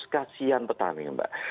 kasihan petani mbak